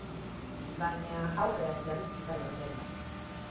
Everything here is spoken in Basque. Baina aurrean jarri zitzaion Demba.